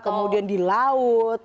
kemudian di laut